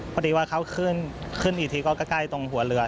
พอดีว่าเขาขึ้นขึ้นอีกทีก็ใกล้ตรงหัวเรือ